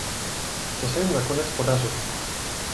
To se jim nakonec podařilo.